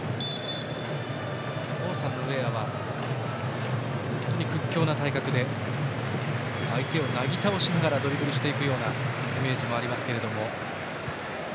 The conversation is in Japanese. お父さんのジョージ・ウェアは本当に屈強な体格で相手をなぎ倒しながらドリブルしていくようなイメージもありますが。